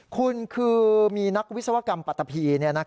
คุณคือมีนักวิศวกรรมปฏภิ